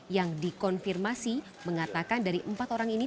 yang dikonfirmasi mengatakan dari empat orang ini